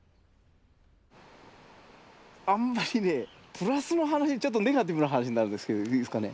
あんまりねプラスの話ちょっとネガティブな話になるんですけどいいですかね？